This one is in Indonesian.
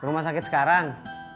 rumah sakit sekarang